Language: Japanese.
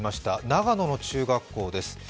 長野の中学校です。